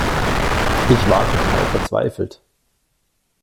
Ich war total verzweifelt.